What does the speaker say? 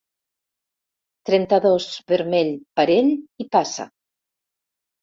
Trenta-dos, vermell, parell i passa.